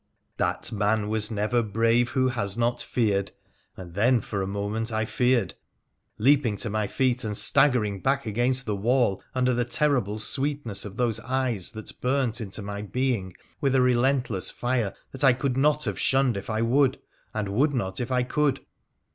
That man was never brave who has not feared, and then for a moment I feared, leaping to my feet and staggering back against the wall under the terrible sweetness of those eyes that burnt into my being with a relentless fire that I could not have shunned if I would, and would not if I could.